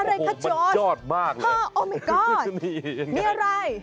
อะไรค่ะจ๊อสโอ้โฮมันจอดมากเลยนี่มีอะไรมีอะไร